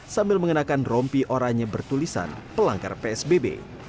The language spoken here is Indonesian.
sambil mengenakan rompi oranya bertulisan pelanggar psbb